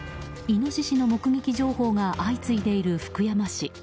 イノシシの目撃情報が相次いでいる福山市。